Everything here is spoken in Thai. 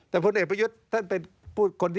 แต่พุทธเอกประยุทธท่านเป็น